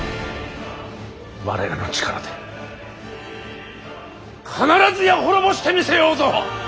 我らの力で必ずや滅ぼしてみせようぞ！